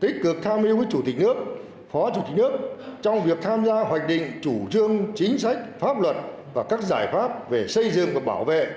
tích cực tham mưu với chủ tịch nước phó chủ tịch nước trong việc tham gia hoạch định chủ trương chính sách pháp luật và các giải pháp về xây dựng và bảo vệ